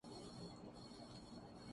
آپ کا خیرخواہ۔